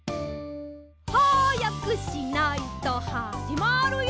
「はやくしないとはじまるよ」